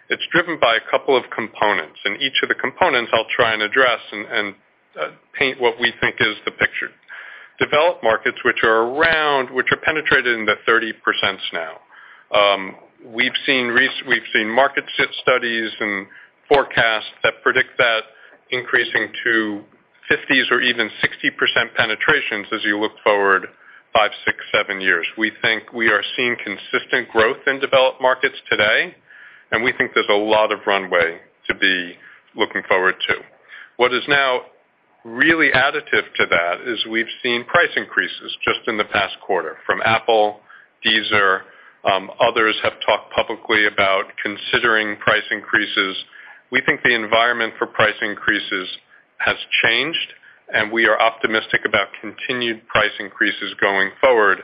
It's driven by a couple of components, and each of the components I'll try and address and paint what we think is the picture. Developed markets which are penetrated in the 30% now. We've seen market shift studies and forecasts that predict that increasing to 50% or even 60% penetrations as you look forward five, six, seven years. We think we are seeing consistent growth in developed markets today, and we think there's a lot of runway to be looking forward to. What is now really additive to that is we've seen price increases just in the past quarter from Apple. These are, others have talked publicly about considering price increases. We think the environment for price increases has changed, and we are optimistic about continued price increases going forward.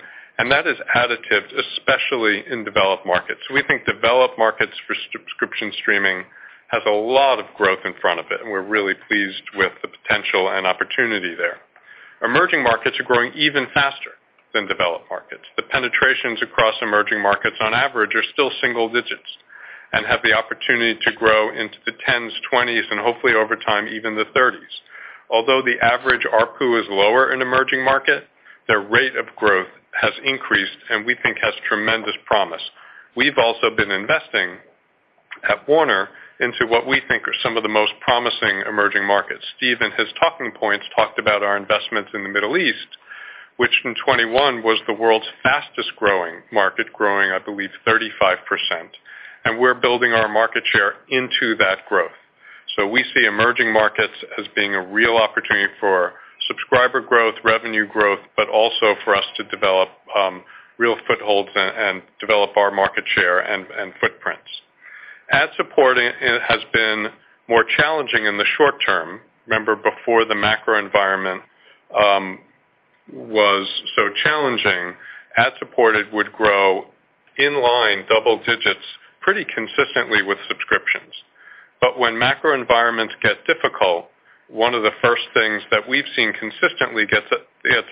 That is additive, especially in developed markets. We think developed markets for subscription streaming has a lot of growth in front of it, and we're really pleased with the potential and opportunity there. Emerging markets are growing even faster than developed markets. The penetrations across emerging markets on average are still single digits and have the opportunity to grow into the tens, twenties and hopefully over time, even the thirties. Although the average ARPU is lower in emerging market, their rate of growth has increased, and we think has tremendous promise. We've also been investing at Warner into what we think are some of the most promising emerging markets. Steve, in his talking points, talked about our investments in the Middle East, which in 2021 was the world's fastest growing market, growing, I believe, 35%. We're building our market share into that growth. We see emerging markets as being a real opportunity for subscriber growth, revenue growth, but also for us to develop real footholds and develop our market share and footprints. Ad-supported has been more challenging in the short term. Remember, before the macro environment was so challenging, ad-supported would grow in line double digits pretty consistently with subscriptions. When macro environments get difficult, one of the first things that we've seen consistently gets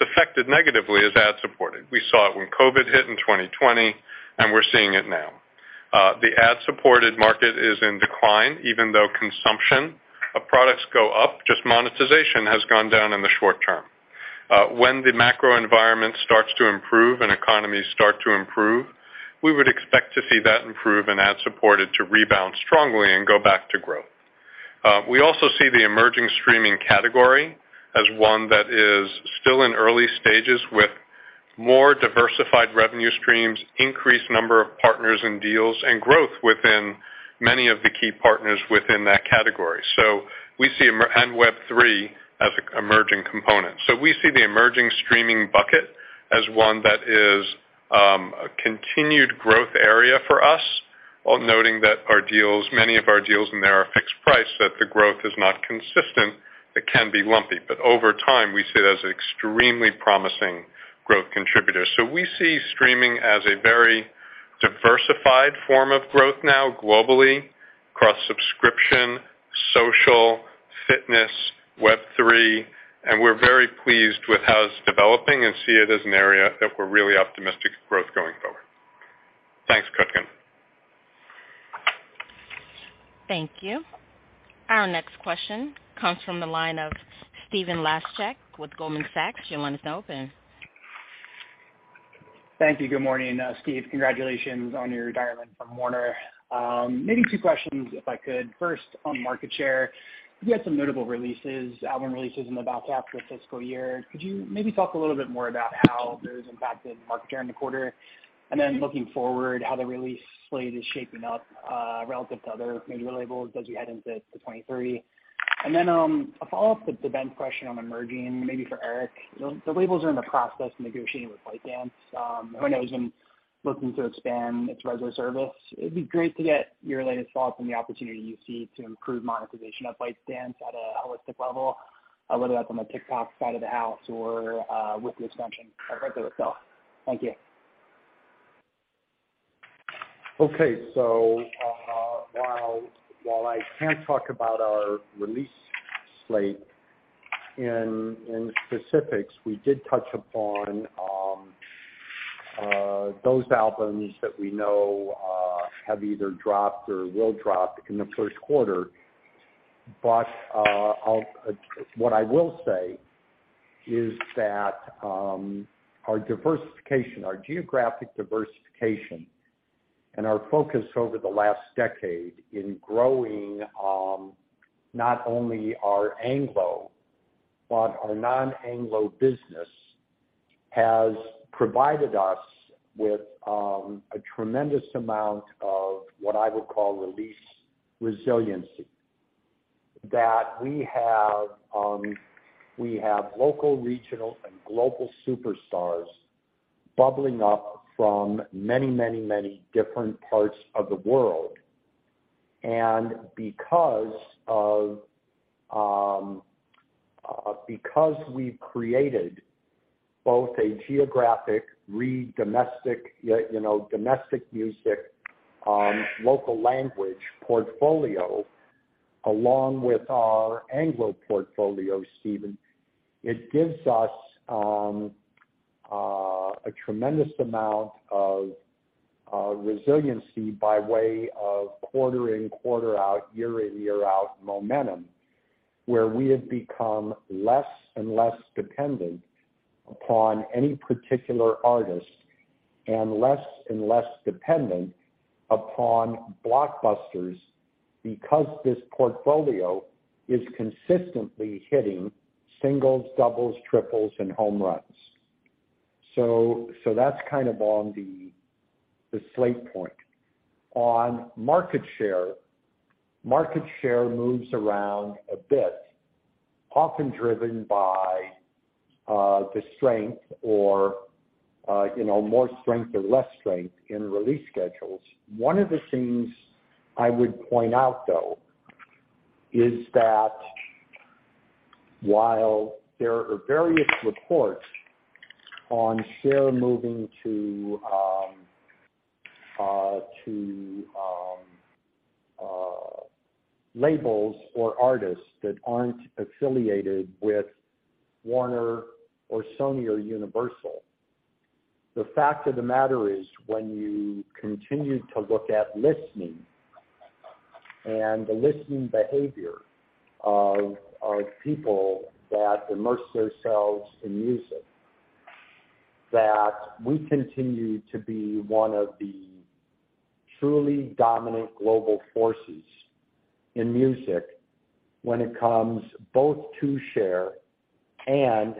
affected negatively is ad-supported. We saw it when COVID hit in 2020, and we're seeing it now. The ad-supported market is in decline even though consumption of products go up. Just monetization has gone down in the short term. When the macro environment starts to improve and economies start to improve, we would expect to see that improve and ad-supported to rebound strongly and go back to growth. We also see the emerging streaming category as one that is still in early stages with more diversified revenue streams, increased number of partners and deals, and growth within many of the key partners within that category. We see 'em, and Web3 as emerging components. We see the emerging streaming bucket as one that is a continued growth area for us. While noting that our deals, many of our deals in there are fixed price, that the growth is not consistent, it can be lumpy. Over time, we see it as an extremely promising growth contributor. We see streaming as a very diversified form of growth now globally across subscription, social, fitness, Web3, and we're very pleased with how it's developing and see it as an area that we're really optimistic growth going forward. Thanks, Kutgun. Thank you. Our next question comes from the line of Stephen Laszczyk with Goldman Sachs. Your line is now open. Thank you. Good morning, Steve, congratulations on your retirement from Warner. Maybe two questions, if I could. First, on market share, you had some notable releases, album releases in the back half of the fiscal year. Could you maybe talk a little bit more about how those impacted market share in the quarter? Looking forward, how the release slate is shaping up, relative to other major labels as you head into 2023? A follow-up to Ben's question on emerging, maybe for Eric. The labels are in the process of negotiating with ByteDance. Who knows, looking to expand its Resso service. It'd be great to get your latest thoughts on the opportunity you see to improve monetization of ByteDance at a holistic level, whether that's on the TikTok side of the house or with the expansion of Resso itself. Thank you. Okay. while I can't talk about our release slate in specifics, we did touch upon those albums that we know have either dropped or will drop in the first quarter. what I will say is that our diversification, our geographic diversification, and our focus over the last decade in growing not only our Anglo but our non-Anglo business, has provided us with a tremendous amount of what I would call release resiliency. That we have local, regional, and global superstars bubbling up from many different parts of the world. Because of, because we've created both a geographic re-domestic, you know, domestic music, local language portfolio, along with our Anglo portfolio, Stephen, it gives us a tremendous amount of resiliency by way of quarter in, quarter out, year in, year out momentum, where we have become less and less dependent upon any particular artist and less and less dependent upon blockbusters because this portfolio is consistently hitting singles, doubles, triples, and home runs. So that's kind of on the slate point. On market share, market share moves around a bit, often driven by the strength or, you know, more strength or less strength in release schedules. One of the things I would point out, though, is that while there are various reports on share moving to labels or artists that aren't affiliated with Warner or Sony or Universal, the fact of the matter is when you continue to look at listening and the listening behavior of people that immerse themselves in music, that we continue to be one of the truly dominant global forces in music when it comes both to share and,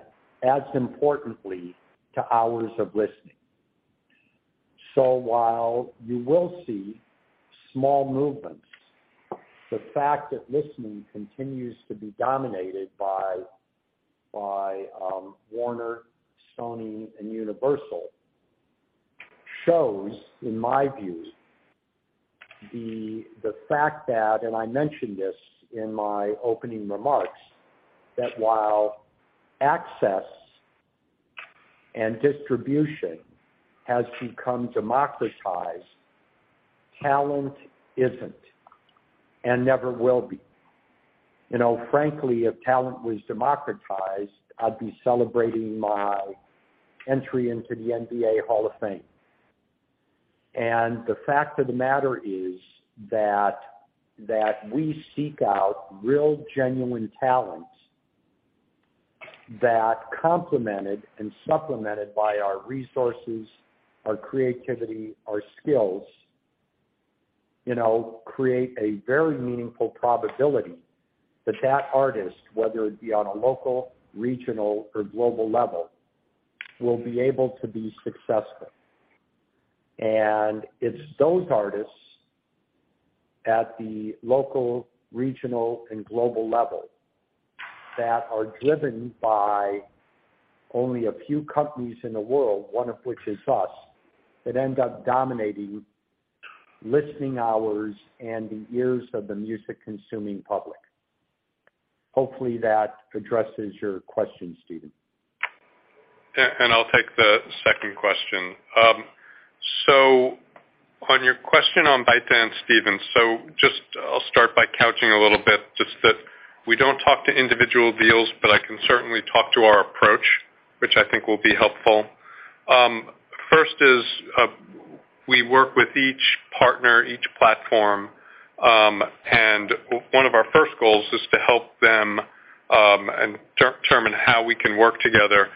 as importantly, to hours of listening. While you will see small movements, the fact that listening continues to be dominated by Warner, Sony, and Universal shows, in my view, the fact that, and I mentioned this in my opening remarks, that while access and distribution has become democratized, talent isn't and never will be. You know, frankly, if talent was democratized, I'd be celebrating my entry into the NBA Hall of Fame. The fact of the matter is that we seek out real, genuine talent that complemented and supplemented by our resources, our creativity, our skills, you know, create a very meaningful probability that that artist, whether it be on a local, regional or global level, will be able to be successful. It's those artists at the local, regional, and global level that are driven by only a few companies in the world, one of which is us, that end up dominating listening hours and the ears of the music-consuming public. Hopefully, that addresses your question, Stephen. I'll take the second question. On your question on ByteDance, Stephen. I'll start by couching a little bit, just that we don't talk to individual deals, but I can certainly talk to our approach, which I think will be helpful. First is, we work with each partner, each platform, and one of our first goals is to help them determine how we can work together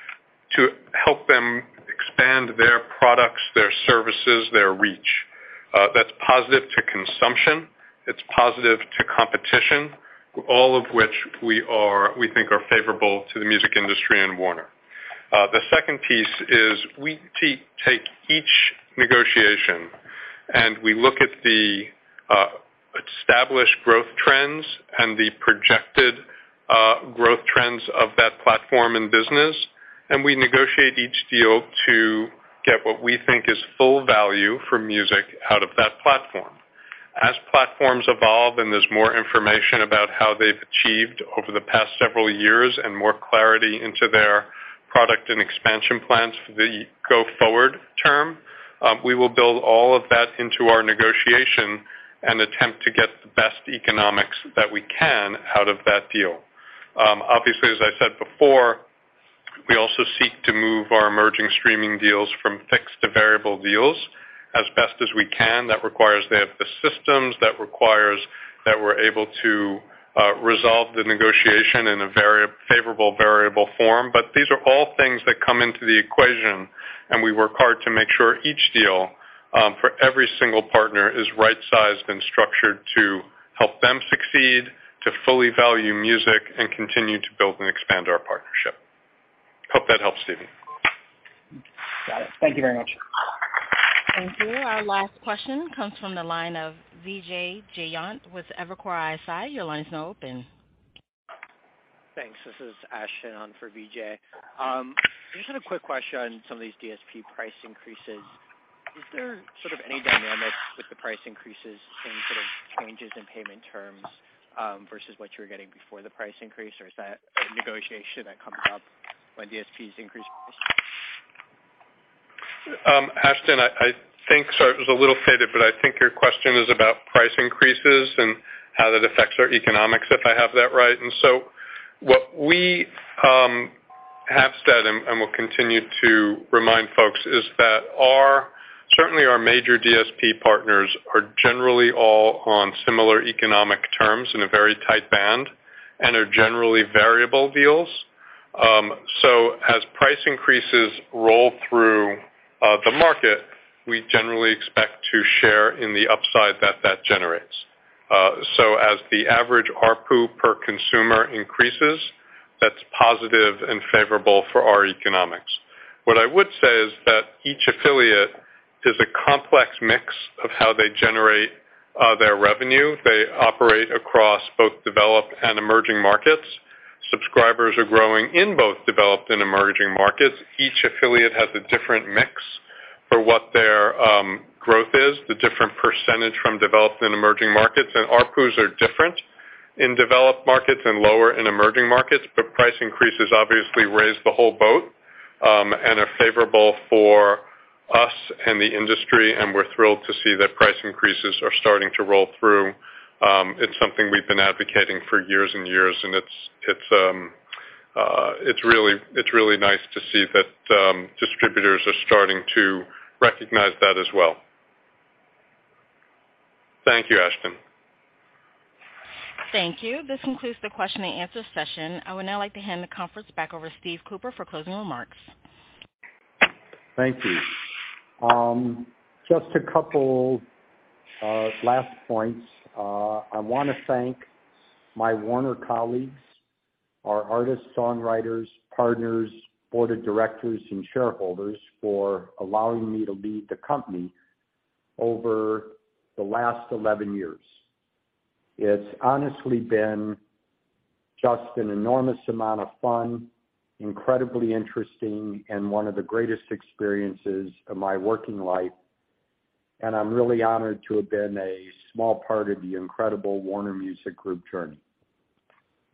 to help them expand their products, their services, their reach. That's positive to consumption, it's positive to competition, all of which we think are favorable to the music industry and Warner. The second piece is we take each negotiation, and we look at the established growth trends and the projected growth trends of that platform and business, and we negotiate each deal to get what we think is full value for music out of that platform. As platforms evolve and there's more information about how they've achieved over the past several years and more clarity into their product and expansion plans for the go-forward term, we will build all of that into our negotiation and attempt to get the best economics that we can out of that deal. Obviously, as I said before, we also seek to move our emerging streaming deals from fixed to variable deals as best as we can. That requires they have the systems, that requires that we're able to resolve the negotiation in a very favorable variable form. These are all things that come into the equation, and we work hard to make sure each deal, for every single partner is right-sized and structured to help them succeed, to fully value music and continue to build and expand our partnership. Hope that helps, Stephen. Got it. Thank you very much. Thank you. Our last question comes from the line of Vijay Jayant with Evercore ISI. Your line is now open. Thanks. This is Ashton on for Vijay. Just had a quick question on some of these DSP price increases. Is there sort of any dynamics with the price increases and sort of changes in payment terms, versus what you were getting before the price increase, or is that a negotiation that comes up when DSPs increase price? Ashton, I think, sorry, it was a little faded, but I think your question is about price increases and how that affects our economics, if I have that right. What we have said and will continue to remind folks, is that certainly our major DSP partners are generally all on similar economic terms in a very tight band and are generally variable deals. As price increases roll through the market, we generally expect to share in the upside that that generates. As the average ARPU per consumer increases, that's positive and favorable for our economics. What I would say is that each affiliate is a complex mix of how they generate their revenue. They operate across both developed and emerging markets. Subscribers are growing in both developed and emerging markets. Each affiliate has a different mix for what their growth is, the different percentage from developed and emerging markets, and ARPUs are different in developed markets and lower in emerging markets. Price increases obviously raise the whole boat and are favorable for us and the industry, and we're thrilled to see that price increases are starting to roll through. It's something we've been advocating for years and years, and it's really nice to see that distributors are starting to recognize that as well. Thank you, Ashton. Thank you. This concludes the question and answer session. I would now like to hand the conference back over to Steve Cooper for closing remarks. Thank you. Just a couple last points. I wanna thank my Warner colleagues, our artists, songwriters, partners, board of directors, and shareholders for allowing me to lead the company over the last 11 years. It's honestly been just an enormous amount of fun, incredibly interesting, and one of the greatest experiences of my working life, and I'm really honored to have been a small part of the incredible Warner Music Group journey.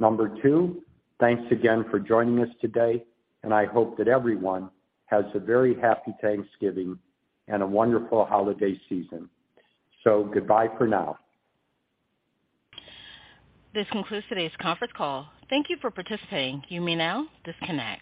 Number two, thanks again for joining us today, and I hope that everyone has a very happy Thanksgiving and a wonderful holiday season. Goodbye for now. This concludes today's conference call. Thank you for participating. You may now disconnect.